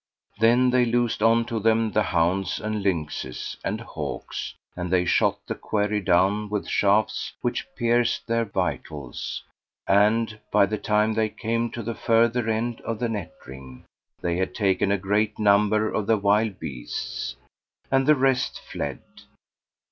Then they loosed on to them the hounds and lynxes[FN#472] and hawks;[FN#473] and they shot the quarry down with shafts which pierced their vitals; and, by the time they came to the further end of the net ring, they had taken a great number of the wild beasts, and the rest fled.